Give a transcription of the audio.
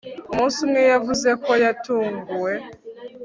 umunsi umwe, yavuze ko yatunguwe